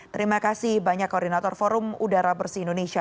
terima kasih banyak koordinator forum udara bersih indonesia